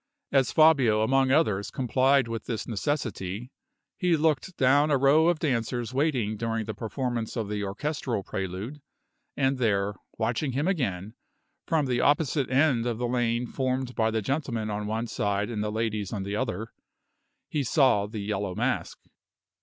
As Fabio among others complied with this necessity, he looked down a row of dancers waiting during the performance of the orchestral prelude; and there, watching him again, from the opposite end of the lane formed by the gentlemen on one side and the ladies on the other, he saw the Yellow Mask.